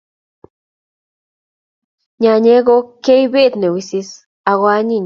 Nyanyek ko keipet ne wisis ak koanyiny